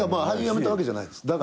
俳優やめたわけじゃないです。